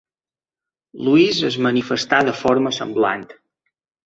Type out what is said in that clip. Luis es manifestà de forma semblant.